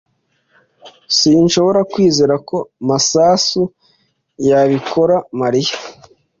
Sinshobora kwizera ko Masasu yabikora Mariya.